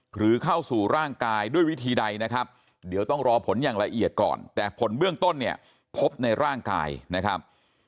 หรือเข้าสู่ร่างกายด้วยวิธีใดนะครับเดี๋ยวต้องรอผลอย่างละเอียดก่อนแต่ผลเบื้องต้นเนี่ยพบในร่างกายนะครับ